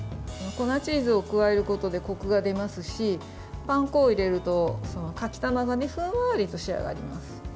粉チーズを加えることでこくが出ますしパン粉を入れると、かきたまがふんわりと仕上がります。